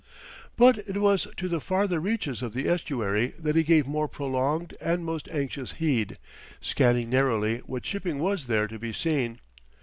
But it was to the farther reaches of the estuary that he gave more prolonged and most anxious heed, scanning narrowly what shipping was there to be seen.